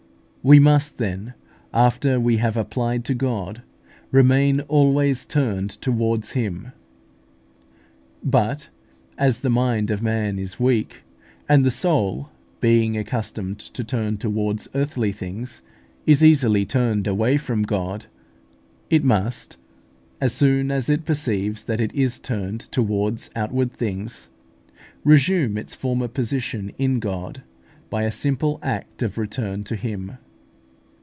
We must, then, after we have applied to God, remain always turned towards Him. But as the mind of man is weak, and the soul, being accustomed to turn towards earthly things, is easily turned away from God, it must, as soon as it perceives that it is turned towards outward things, resume its former position in God by a simple act of return to Him.